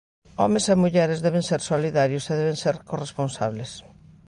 Homes e mulleres deben ser solidarios e deben ser corresponsables.